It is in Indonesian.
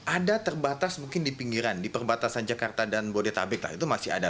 ada terbatas mungkin di pinggiran di perbatasan jakarta dan bodetabek itu masih ada